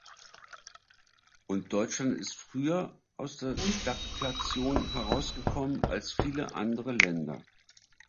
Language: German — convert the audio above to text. Und Deutschland ist früher aus der Stagflation herausgekommen als viele andere Länder.